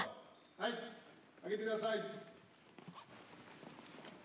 はい挙げてください。